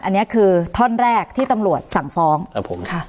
อันนี้คือท่อนแรกที่ตำรวจสั่งฟ้องครับผมค่ะ